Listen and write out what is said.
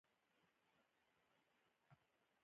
د واړه ماشوم هم عزت کوه.